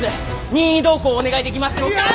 任意同行お願いできますでしょうか。